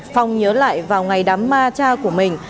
phong nhớ lại vào ngày đám ma cha của mình